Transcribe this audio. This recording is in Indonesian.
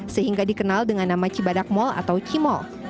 sehingga dikenal dengan nama cibadak mall atau cimol